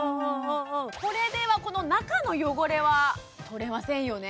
これではこの中の汚れは取れませんよね